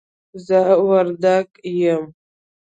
زه وردګ یم